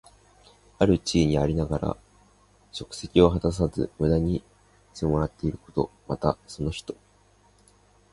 ある地位にありながら職責を果たさず、無駄に禄をもらっていること。また、その人。